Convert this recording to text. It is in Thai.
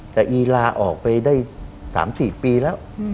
แต่อีลาออกไปได้๓๔ปีแล้ว